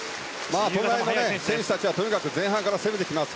選手たちはとにかく前半から攻めてきます。